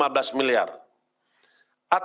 dan mencari penyelesaian untuk penyelesaian